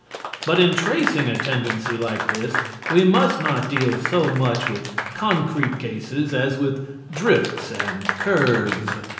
But in tracing a tendency like this, we must not deal so much with concrete cases as with drifts and curves.